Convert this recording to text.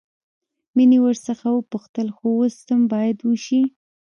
مينې ورڅخه وپوښتل خو اوس څه بايد وشي.